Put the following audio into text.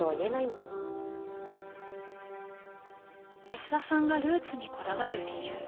安田さんがルーツにこだわる理由。